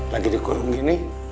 lagi dikurung gini